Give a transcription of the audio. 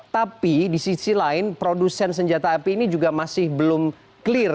tapi di sisi lain produsen senjata api ini juga masih belum clear